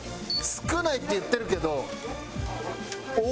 「少ない」って言ってるけど。